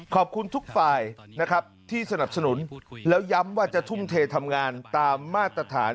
ขอบคุณทุกฝ่ายนะครับที่สนับสนุนแล้วย้ำว่าจะทุ่มเททำงานตามมาตรฐาน